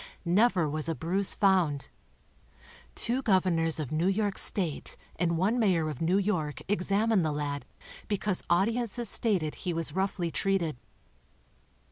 Never was a bruise found. Two governors of New* York state and one mayor of New York examined the lad because audiences stated he was roughly treated.